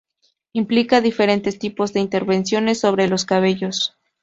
Implica diferentes tipos de intervenciones sobre los cabellos.